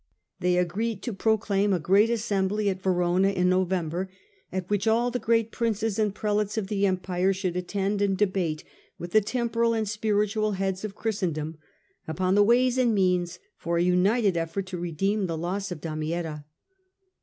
They agreed to proclaim a great assembly at Verona in November, at which all the great Princes and Prelates of the Empire should attend and debate with the temporal and spiritual heads of Christendom upon the ways and means for a united effort to redeem the loss of Damietta.